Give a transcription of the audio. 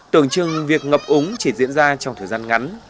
tưởng chừng việc ngập úng chỉ diễn ra trong thời gian ngắn